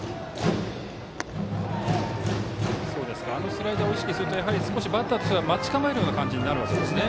スライダーを意識すると少しバッターとしては待ち構えるような感じになるわけですね。